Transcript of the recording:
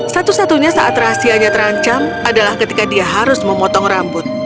satu satunya saat rahasianya terancam adalah ketika dia harus memotong rambut